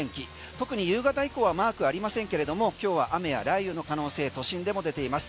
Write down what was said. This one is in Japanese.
特に夕方以降はマークありませんけれども今日は雨や雷雨の可能性都心でも出ています。